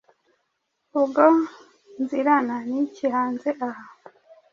Ubwo nzirana n’iki hanze aha?